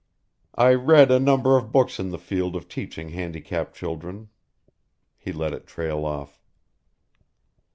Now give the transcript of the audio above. I read a number of books in the field of teaching handicapped children ..." He let it trail off.